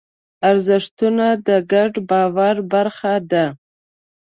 ارزښتونه د ګډ باور برخه ده.